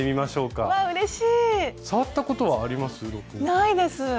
ないです